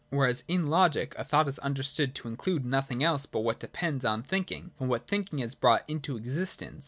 Whereas in logic a thought is understood to include nothing else but what depends on thinking and what thinking has brought into existence.